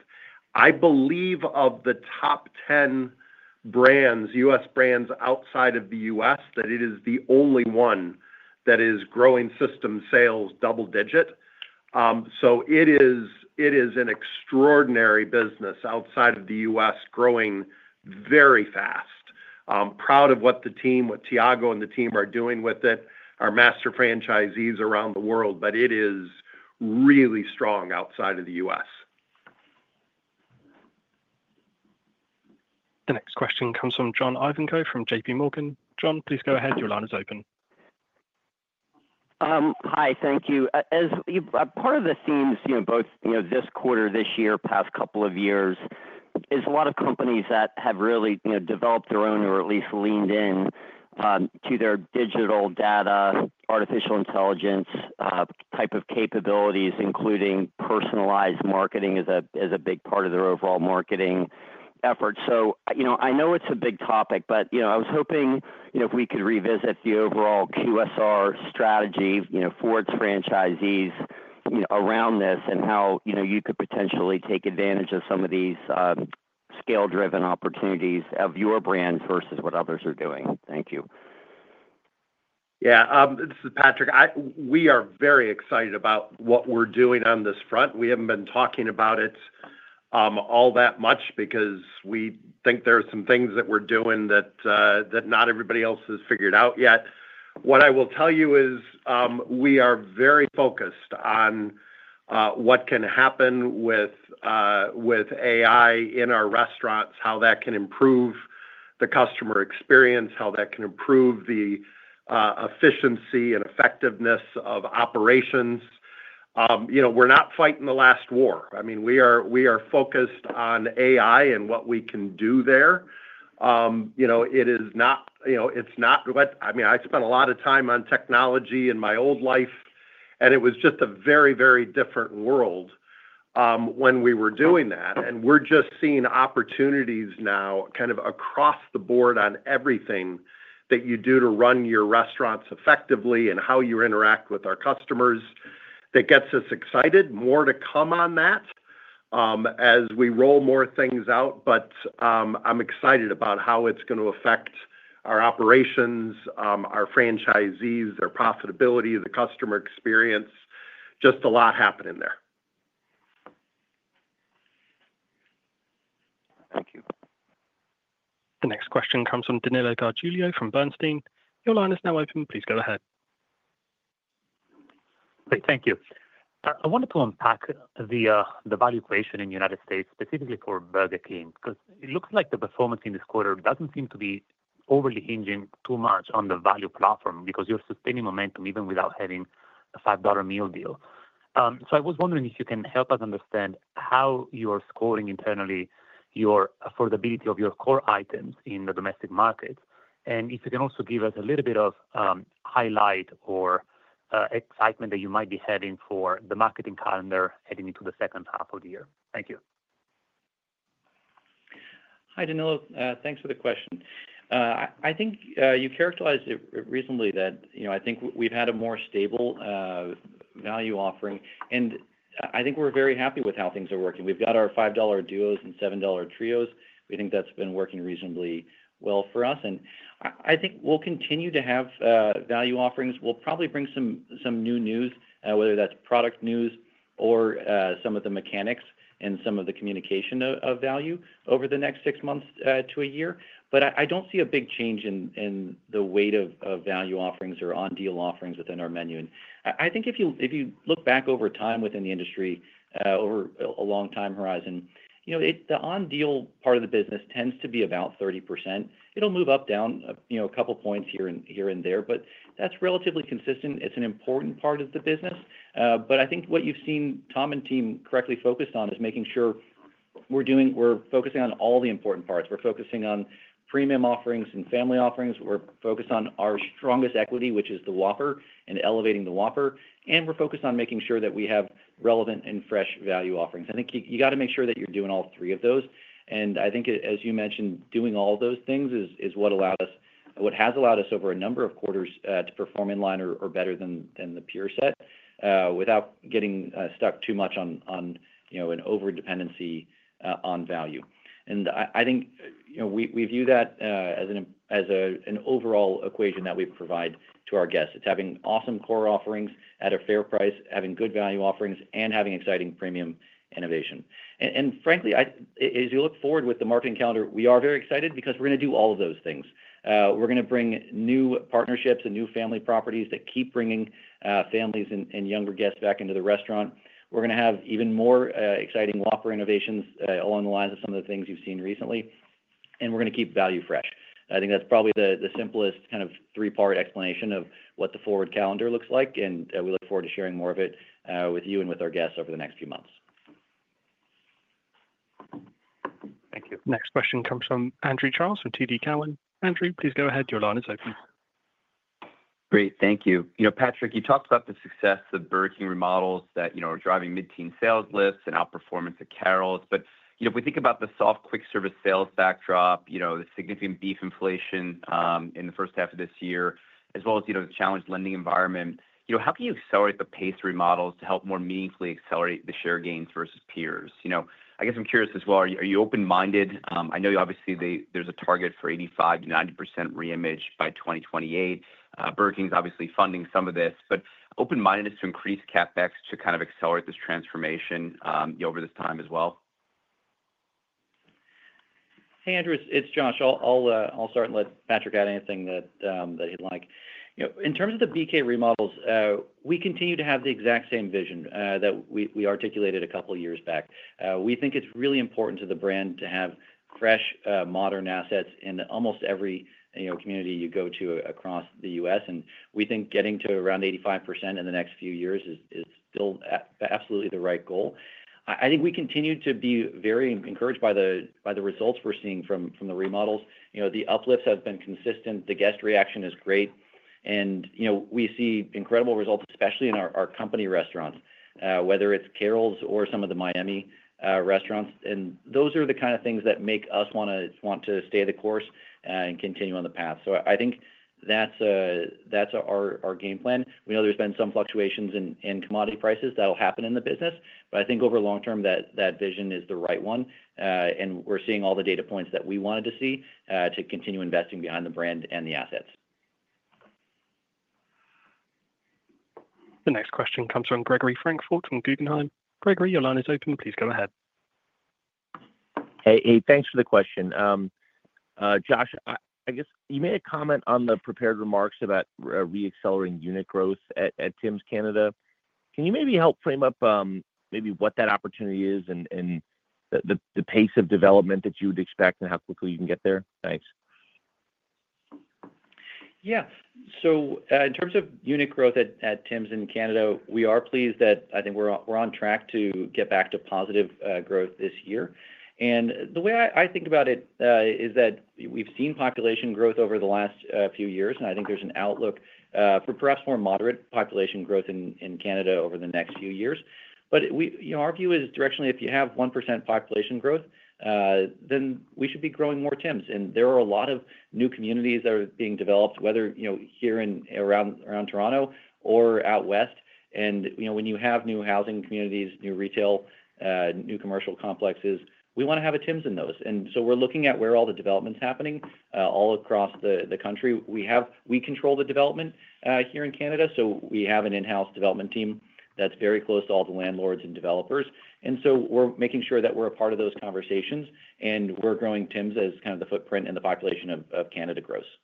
I believe of the top 10 U.S. brands outside of the U.S. that it is the only one that is growing system-wide sales double digit. It is an extraordinary business outside of the U.S. growing very fast. I'm proud of what the team, what Thiago and the team are doing with it, our master franchisees around the world. It is really strong outside of the U.S. The next question comes from John William Ivankoe from JPMorgan. John, please go ahead, your line is open. Hi. Thank you. As part of the themes both this quarter, this year, past couple of years, is a lot of companies that have really developed their own or at least leaned in to their digital data, artificial intelligence type of capabilities, including personalized marketing as a big part of their overall marketing efforts. I know it's a big topic, but I was hoping if we could revisit the overall QSR strategy for its franchisees around this and how you could potentially take advantage of some of these scale driven opportunities of your brand versus what others are doing. Thank you. Yeah, this is Patrick. We are very excited about what we're doing on this front. We haven't been talking about it all that much because we think there are some things that we're doing that not everybody else has figured out yet. What I will tell you is we are very focused on what can happen with AI in our restaurants, how that can improve the customer experience, how that can improve the efficiency and effectiveness of operations. We're not fighting the last war. I mean we are focused on AI and what we can do there. It is not what I mean. I spent a lot of time on technology in my old life and it was just a very, very different world when we were doing that. We're just seeing opportunities now kind of across the board on everything that you do to run your restaurants effectively and how you interact with our customers. That gets us excited, more to come on that as we roll more things out. I'm excited about how it's going to affect our operations, our franchisees, their profitability, the customer experience. Just a lot happening there. The next question comes from Danilo Gargiulo from Bernstein. Your line is now open. Please go ahead. Thank you. I wanted to unpack the value creation in the United States, specifically for Burger King because it looks like the performance in this quarter doesn't seem to be overly hinging too much on the value platform because you're sustaining momentum even without having a $5 meal deal. I was wondering if you can help us understand how you are scoring internally, your affordability of your core items in the domestic market, and if you can also give us a little bit of highlight or excitement that you might be heading for the marketing calendar heading into the second half of the year. Thank you. Hi Danilo, thanks for the question. I think you characterized recently that we've had a more stable value offering and I think we're very happy with how things are working. We've got our $5 Duos and $7 Trios. We think that's been working reasonably well for us. I think we'll continue to have value offerings. We'll probably bring some new news, whether that's product news or some of the mechanics and some of the communication of value over the next six months to a year. I don't see a big change in the weight of value offerings or on deal offerings within our menu. If you look back over time within the industry, over a long time horizon, the on deal part of the business tends to be about 30%. It'll move up, down, a couple points here and there, but that's relatively consistent. It's an important part of the business. What you've seen Tom and team correctly focused on is making sure we're focusing on all the important parts. We're focusing on premium offerings and family offerings. We're focused on our strongest equity, which is the Whopper, and elevating the Whopper. We're focused on making sure that we have relevant and fresh value offerings. I think you got to make sure that you're doing all three of those. As you mentioned, doing all those things is what has allowed us over a number of quarters to perform in line or better than the peer set without getting stuck too much on an over dependency on value. We view that as an overall equation that we provide to our guests. It's having awesome core offerings at a fair price, having good value offerings, and having exciting premium innovation. Frankly, as you look forward with the marketing calendar, we are very excited because we're going to do all of those things. We're going to bring new partnerships and new family properties that keep bringing families and younger guests back into the restaurant. We're going to have even more exciting Whopper innovations along the lines of some of the things you've seen recently, and we're going to keep value fresh. I think that's probably the simplest kind of three-part explanation of what the forward calendar looks like, and we look forward to sharing more of it with you and with our guests over the next few months. Thank you. Next question comes from Andrew Charles from TD Cowen. Andrew, please go ahead. Your line is open. Great, thank you. You know, Patrick, you talked about the success of Burger King remodels that you know are driving mid-teen sales lifts and outperformance at Carrols. If we think about the soft quick service sales backdrop, the significant beef inflation in the first half of this year. As well as you know, the challenged lending environment, how can you accelerate the pace of remodels to help more meaningfully accelerate the share gains versus peers? I'm curious as well. Are you open minded? I know obviously there's a target for 85% to 90% reimage by 2028. Burger King is obviously funding some of this, but open mindedness to increase CapEx too. Kind of accelerate this transformation over this time as well. Hey Andrew, it's Josh. I'll start and let Patrick add anything that he'd like. In terms of the BK remodels we continue to have the exact same vision that we articulated a couple years back. We think it's really important to the brand to have fresh, modern assets in almost every community you go to across the U.S., and we think getting to around 85% in the next few years is still absolutely the right goal. I think we continue to be very encouraged by the results we're seeing from the remodels. The uplifts have been consistent, the guest reaction is great, and we see incredible results especially in our company restaurants, whether it's Carrols or some of the Miami restaurants. Those are the kind of things that make us want to stay the course and continue on the path. I think that's our game plan. We know there's been some fluctuations in commodity prices that will happen in the business, but I think over the long term, that vision is the right one. We're seeing all the data points that we wanted to see to continue investing behind the brand and the assets. The next question comes from Gregory Francfort from Guggenheim. Gregory, your line is open. Please go ahead. Hey, thanks for the question, Josh. I guess you made a comment on the prepared remarks about re-accelerating unit growth at Tim's Canada. Can you maybe help frame up maybe what that opportunity is and the pace of development that you would expect and how quickly you can get there? Thanks. Yeah. In terms of unit growth at Tim's in Canada, we are pleased that I think we're on track to get back to positive growth this year. The way I think about it is that we've seen population growth over the last few years and I think there's an outlook for perhaps more moderate population growth in Canada over the next few years. Our view is directionally, if you have 1% population growth, then we should be growing more Tims. There are a lot of new communities that are being developed, whether here, around Toronto or out west. When you have new housing communities, new retailers, new commercial complexes, we want to have a Tims in those. We're looking at where all the development's happening all across the country. We control the development here in Canada. We have an in-house development team that's very close to all the landlords and developers. We're making sure that we're a part of those conversations. We're growing Tims as kind of the footprint and the population of Canada grows. We think,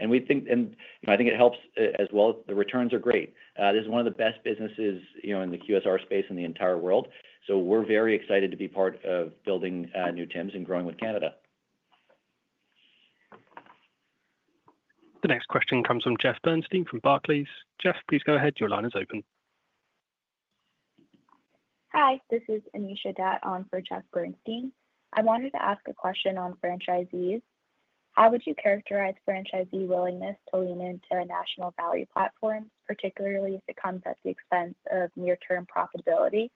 and I think it helps as well, the returns are great. This is one of the best businesses in the QSR space in the entire world. We're very excited to be part of building new Tims and growing with Canada. The next question comes from Jeff Bernstein from Barclays. Jeff, please go ahead. Your line is open. Hi, this is Anisha Datt on for Jeff Bernstein. I wanted to ask a question on franchisees. How would you characterize franchisee willingness to lean into a national value platform, particularly if it comes at the expense of near term profitability?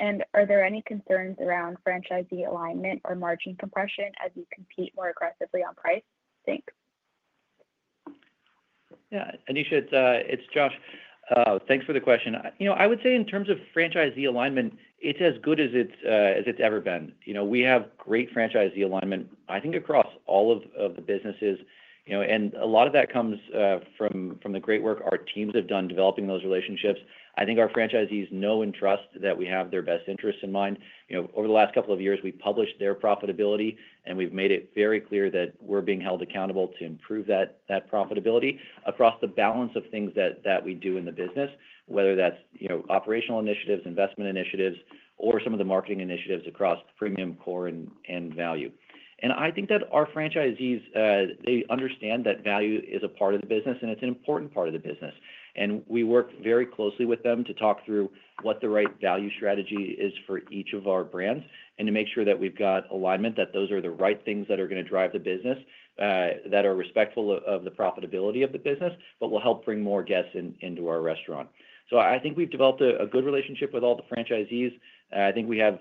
Are there any concerns around franchisee alignment or margin compression as you compete more aggressively on price? Thanks. Yeah, Anisha, it's Josh. Thanks for the question. I would say in terms of franchisee alignment, it's as good as it's ever been. We have great franchisee alignment, I think, across all of the businesses, and a lot of that comes from the great work our teams have done developing those relationships. I think our franchisees know and trust that we have their best interests in mind. Over the last couple of years we published their profitability and we've made it very clear that we're being held accountable to improve that profitability across the balance of things that we do in the business. Whether that's operational initiatives, investment initiatives or some of the marketing initiatives across the premium core and value. I think that our franchisees understand that value is a part of the business and it's an important part of the business. We work very closely with them to talk through what the right value strategy is for each of our brands and to make sure that we've got alignment, that those are the right things that are going to drive the business, that are respectful of the profitability of the business, but will help bring more guests into our restaurant. I think we've developed a good relationship with all the franchisees. I think we have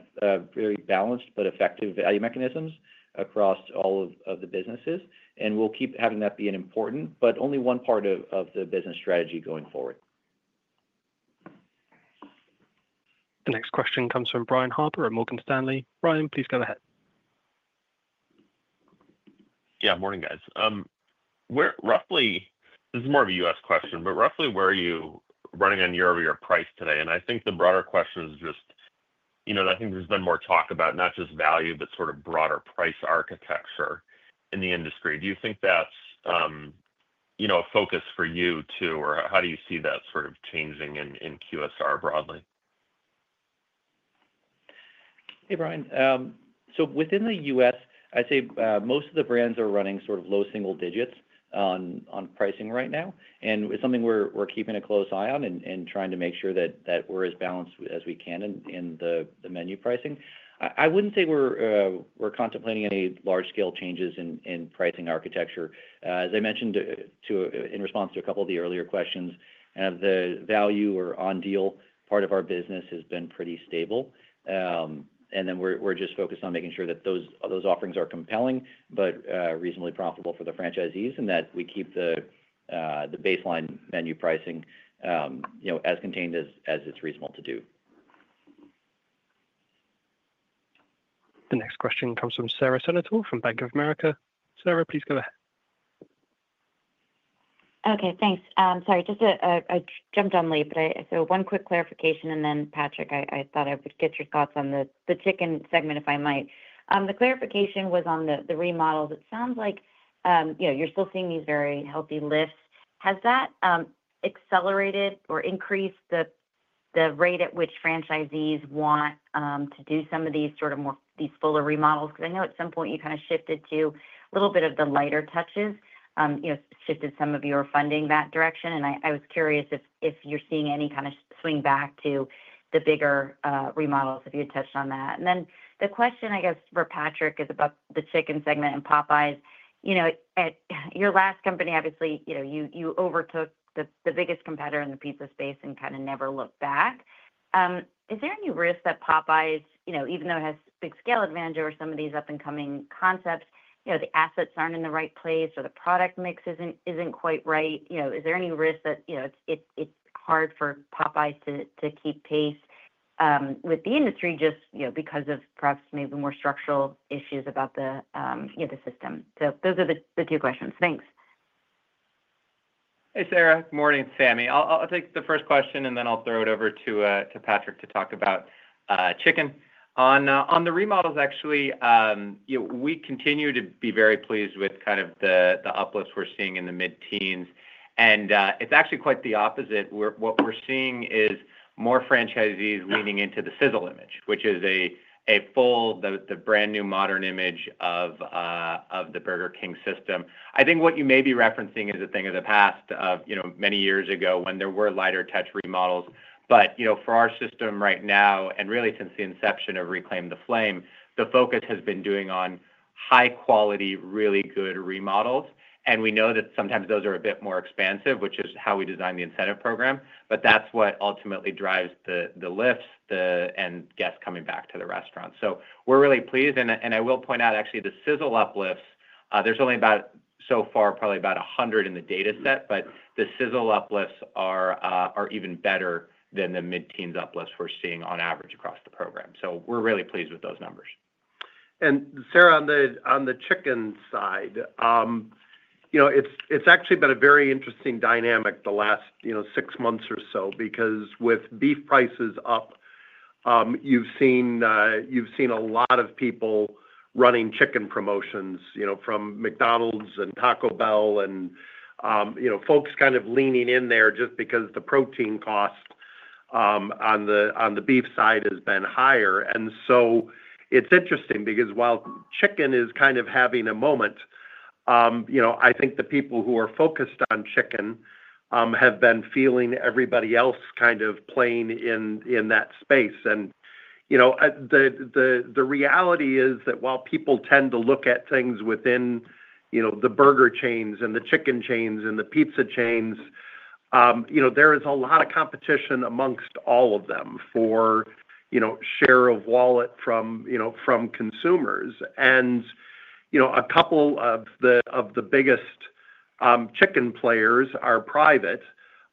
very balanced but effective value mechanisms across all of the businesses and we'll keep having that be an important but only one part of the business strategy going forward. The next question comes from Brian Harbour at Morgan Stanley. Brian, please go ahead. Yeah, morning guys. This is more of a U.S. question, but roughly where are you running on year over year price today? I think the broader question is, I think there's been more talk about not just value, but sort of broader price architecture in the industry. Do you think that's, you know, focus for you too, or how do you see that sort of changing in QSR broadly? Hey, Brian. Within the U.S., I'd say most of the brands are running sort of low single digits on pricing right now. It's something we're keeping a close eye on and trying to make sure that we're as balanced as we can in the menu pricing. I wouldn't say we're contemplating any large scale changes in pricing architecture. As I mentioned in response to a couple of the earlier questions, the value or on deal part of our business has been pretty stable. We're just focused on making sure that those offerings are compelling but reasonably profitable for the franchisees and that we keep the baseline menu pricing as contained as it's reasonable to do. The next question comes from Sara Senatore from Bank of America. Sara, please go ahead. Okay, thanks. Sorry, I jumped on late, but one quick clarification and then, Patrick, I thought I would get your thoughts on the chicken segment if I might. The clarification was on the remodels. It sounds like, you know, you're still seeing these very healthy lifts. Has that accelerated or increased the rate at which franchisees want to do some of these sort of more, these fuller remodels? I know at some point you kind of shifted to a little bit of the lighter touches, you know, shifted some of your funding that direction. I was curious if you're seeing any kind of swing back to the bigger remodels, if you had touched on that. The question, I guess, for Patrick is about the chicken segment and Popeyes. You know, at your last company, obviously, you know, you overtook the biggest competitor in the pizza space and kind of never looked back. Is there any risk that Popeyes, you know, even though it has big scale advantage over some of these up and coming concepts, you know, the assets aren't in the right place or the product mix isn't quite right? You know, is there any risk that, you know, it's hard for Popeyes to keep pace with the industry just because of perhaps maybe more structural issues about the system? Those are the two questions. Thanks. Hey, Sara. Morning, it's Sami. I'll take the first question and then I'll throw it over to Patrick to talk about chicken on the remodels. Actually, we continue to be very pleased with kind of the uplifts we're seeing in the mid teens. It's actually quite the opposite. What we're seeing is more franchisees leaning into the Sizzle Image, which is a full, the brand new modern image of the Burger King system. I think what you may be referencing is a thing of the past, many years ago, when there were lighter touch remodels. For our system right now, and really since the inception of Reclaim the Flame, the focus has been doing high quality, really good remodels. We know that sometimes those are a bit more expansive, which is how we design the incentive program. That's what ultimately drives the lifts and guests coming back to the restaurant. We're really pleased. I will point out, actually, the sizzle uplifts, there's only about so far, probably about 100 in the data set. The sizzle uplifts are even better than the mid teens uplifts we're seeing on average across the program. We're really pleased with those numbers. Sara, on the chicken side, it's actually been a very interesting dynamic the last six months or so. Because with beef prices up, you've seen a lot of people running chicken promotions, from McDonald's and Taco Bell, and folks kind of leaning in there just because the protein cost on the beef side has been higher. It's interesting because while chicken is kind of having a moment, I think the people who are focused on chicken have been feeling everybody else kind of playing in that space. The reality is that while people tend to look at things within the burger chains and the chicken chains and the pizza chains, there is a lot of competition amongst all of them for share of wallet from consumers. A couple of the biggest chicken players are private,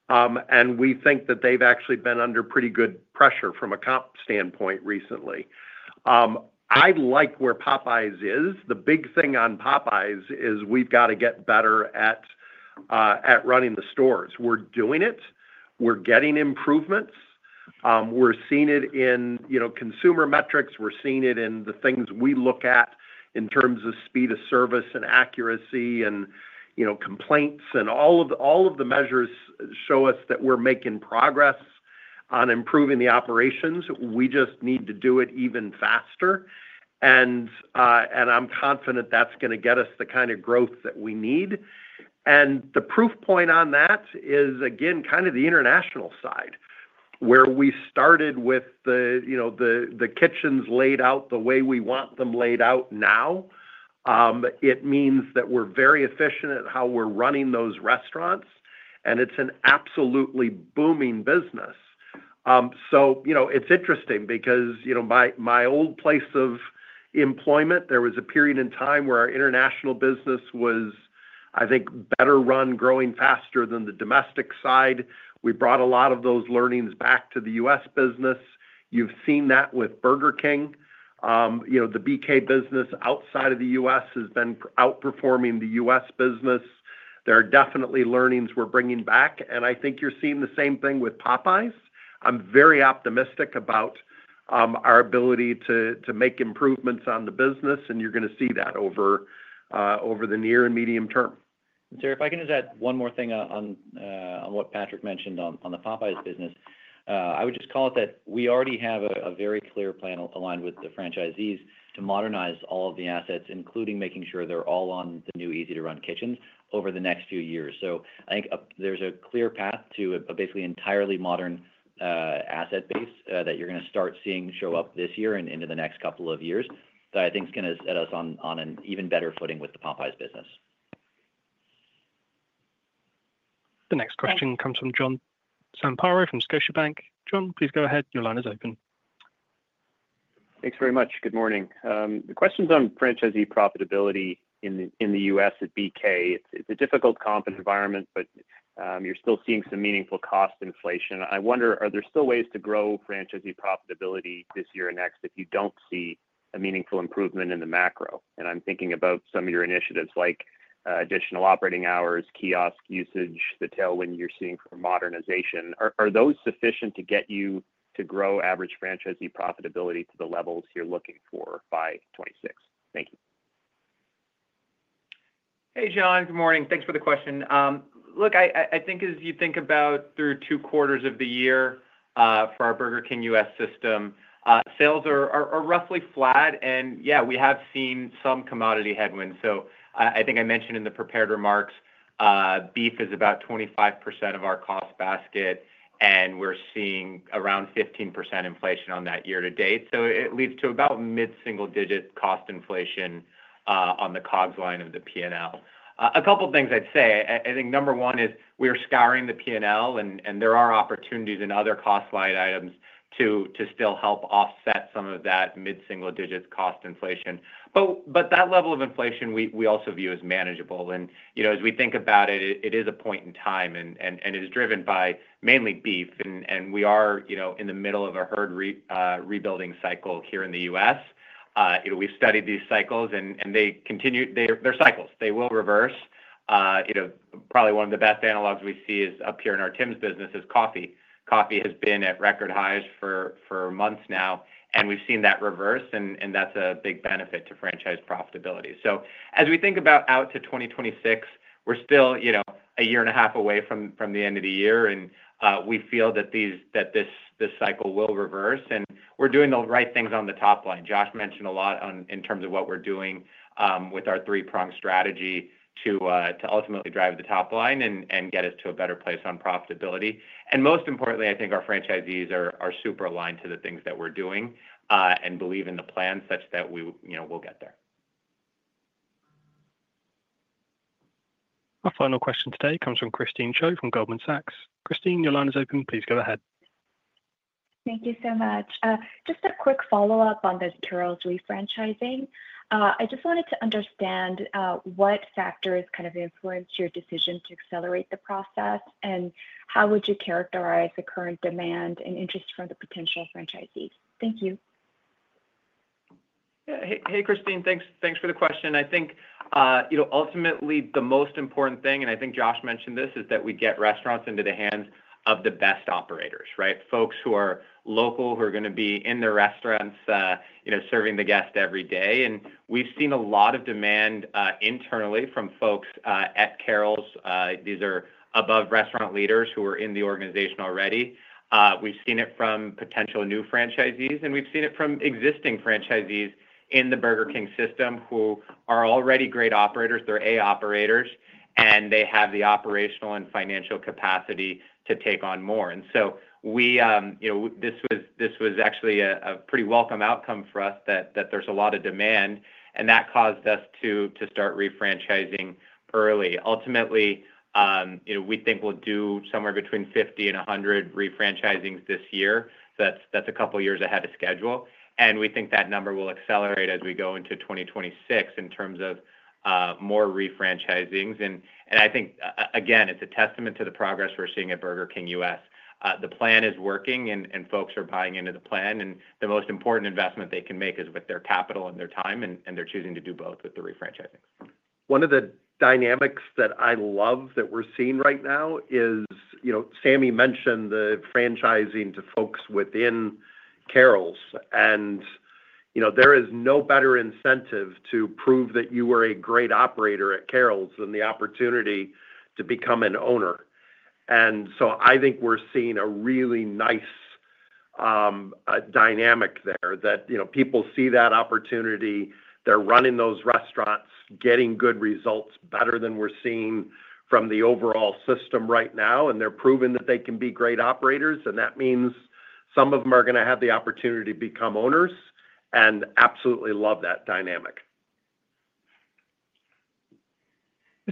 and we think that they've actually been under pretty good pressure from a comp standpoint recently. I like where Popeyes is. The big thing on Popeyes is we've got to get better at running the stores. We're doing it, we're getting improvements, we're seeing it in consumer metrics, we're seeing it in the things we look at in terms of speed of service and accuracy, and complaints, and all of the measures show us that we're making progress on improving the operations. We just need to do it even faster. I'm confident that's going to get us the kind of growth that we need. The proof point on that is, again, kind of the international side where we started with the kitchens laid out the way we want them laid out now. It means that we're very efficient at how we're running those restaurants, and it's an absolutely booming business. It's interesting because my old place of employment, there was a period in time where our international business was, I think, better run, growing faster than the domestic side. We brought a lot of those learnings back to the U.S. business. You've seen that with Burger King. The BK business outside of the U.S. has been outperforming the U.S. business. There are definitely learnings we're bringing back, and I think you're seeing the same thing with Popeyes. I'm very optimistic about our ability to make improvements on the business, and you're going to see that over the near and medium term. Sara, if I can just add one more thing on what Patrick mentioned on the Popeyes business, I would just call it that we already have a very clear plan aligned with the franchisees to modernize all of the assets, including making sure they're all on the new easy to run kitchens over the next few years. I think there's a clear path to a basically entirely modern asset base that you're going to start seeing show up this year and into the next couple of years that I think is going to set us on an even better footing with the Popeyes business. The next question comes from John Zamparo from Scotiabank. John, please go ahead. Your line is open. Thanks very much. Good morning. The question's on franchisee profitability in the U.S. at BK. It's a difficult comp environment, but you're still seeing some meaningful cost inflation. I wonder, are there still ways to grow franchisee profitability this year and next if you don't see a meaningful improvement in the macro, and I'm thinking about some of your initiatives like additional operating hours, kiosk usage, the tailwind you're seeing for modernization. Are those sufficient to get you to grow average franchisee profitability to the levels you're looking for by 2026? Thank you. Hey John, good morning. Thanks for the question. Look, I think as you think about it. Through two quarters of the year for our. Burger King U.S. system sales are roughly flat, and yeah, we have seen some commodity headwinds. I think I mentioned in the prepared remarks, beef is about 25% of our cost basket and we're seeing around 15% inflation on that year to date. It leads to about mid single digit cost inflation on the COGS line of the P&L. A couple of things I'd say. Number one is we are scouring the P&L and there are opportunities in other cost line items to still help offset some of that mid single digits cost inflation. That level of inflation we also view as manageable. As we think about it, it is a point in time and is driven by mainly beef, and we are in the middle of a herd rebuilding cycle here in the U.S. We studied these cycles and they continue their cycles, they will reverse. Probably one of the best analogs we see is up here in our Tims business is coffee. Coffee has been at record highs for months now, and we've seen that reverse, and that's a big benefit to franchise profitability. As we think about out to 2026, we're still a year and a half away from the end of the year, and we feel that this cycle will reverse, and we're doing the right things on the top line. Josh mentioned a lot in terms of what we're doing with our three-pronged strategy to ultimately drive the top line and get us to a better place on profitability. Most importantly, I think our franchisees are super aligned to the things that we're doing and believe in the plan such that we'll get there. Our final question today comes from Christine Cho from Goldman Sachs. Christine, your line is open. Please go ahead. Thank you so much. Just a quick follow-up on the Carrols' refranchising. I just wanted to understand what factors kind of influence your decision to accelerate the process, and how would you characterize the current demand and interest from the potential franchisees. Thank you. Hey, Christine, thanks. Thanks for the question. I think, you know, ultimately the most important thing, and I think Josh mentioned this, is that we get restaurants into the hands of the best operators, right? Folks who are local, who are going to be in the restaurants and, you know, serving the guest every day. We've seen a lot of demand internally from folks at Carrols. These are above restaurant leaders who are in the organization already. We've seen it from potential new franchisees and we've seen it from existing franchisees in the Burger King system who are already great operators. They're A operators and they have the operational and financial capacity to take on more. This was actually a pretty welcome outcome for us that there's a lot of demand and that caused us to start refranchising early. Ultimately, we think we'll do somewhere between 50 and 100 refranchisings this year. That's a couple of years ahead of schedule. We think that number will accelerate as we go into 2026 in terms of more refranchising. I think again, it's a testament to the progress we're seeing at Burger King U.S. The plan is working and folks are buying into the plan and the most important investment they can make is with their capital and their time and they're choosing to do both with the refranchising. One of the dynamics that I love that we're seeing right now is, you know, Sami mentioned the franchising to folks within Carrols', and there is no better incentive to prove that you were a great operator at Carrols than the opportunity to become an owner. I think we're seeing a really nice dynamic there that, you know, people see that opportunity, they're running those restaurants, getting good results better than we're seeing from the overall system right now, and they're proving that they can be great operators, and that means some of them are going to have the opportunity to become owners and absolutely love that dynamic.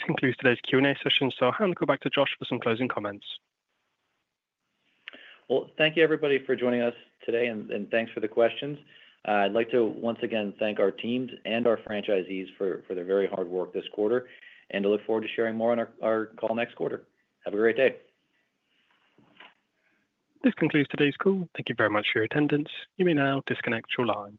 This concludes today's Q&A session. I'll hand it back to Josh for some closing comments. Thank you everybody for joining us today, and thanks for the questions. I'd like to once again thank our teams and our franchisees for their very hard work this quarter, and I look forward to sharing more on our call next quarter. Have a great day. This concludes today's call. Thank you very much for your attendance. You may now disconnect your line.